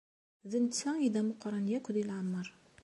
D netta ay d ameqran akk deg leɛmeṛ.